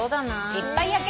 いっぱい焼けたわ。